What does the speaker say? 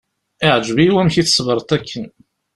Iεǧeb-iyi wamek i tṣebreḍ akken.